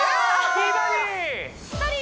「美バディ」！